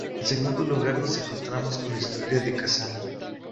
En segundo lugar, nos encontramos con la historia de Cassandra.